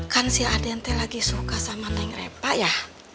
kan si aden lagi suka sama neng repa ya